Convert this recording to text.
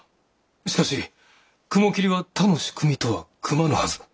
しかし雲霧は他のしくみとは組まぬはず。